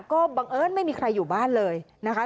ก็บังเอิญไม่มีใครอยู่บ้านเลยนะคะ